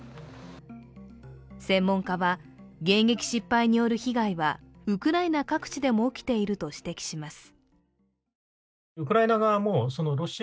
専門家は、迎撃失敗による被害はウクライナ各地でも起きていると指摘します。